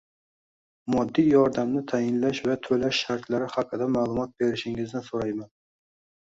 moddiy yordamni tayinlash va to‘lash shartlari haqida ma’lumot berishingizni so‘rayman.